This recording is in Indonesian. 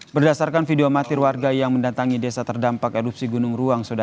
berdasarkan video amatir warga yang mendatangi desa terdampak erupsi gunung ruang sudah